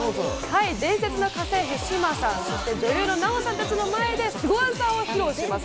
伝説の家政婦・シマさん、女優の奈緒さんたちの前で、すご技を披露します。